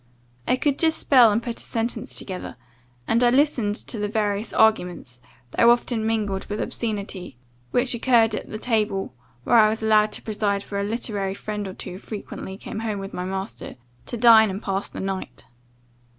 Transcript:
I could just spell and put a sentence together, and I listened to the various arguments, though often mingled with obscenity, which occurred at the table where I was allowed to preside: for a literary friend or two frequently came home with my master, to dine and pass the night.